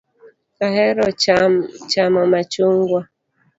Ahero chamo machungwa.